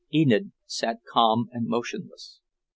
Enid sat calm and motionless.